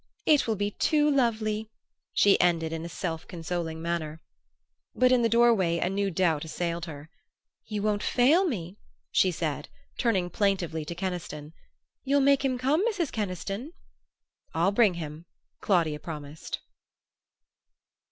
"It will be too lovely!" she ended in a self consoling murmur. But in the doorway a new doubt assailed her. "You won't fail me?" she said, turning plaintively to Keniston. "You'll make him come, Mrs. Keniston?" "I'll bring him!" Claudia promised.